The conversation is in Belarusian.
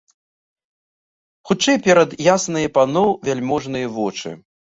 Хутчэй перад ясныя паноў вяльможныя вочы!